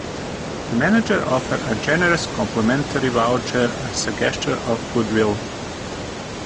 The manager offered a generous complimentary voucher as a gesture of goodwill.